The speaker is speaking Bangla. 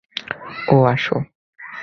ওহ, আসো।